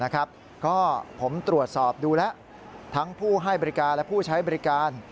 ก็ผมตรวจสอบดูแล้วทั้งผู้ให้บริการและผู้ใช้บริการ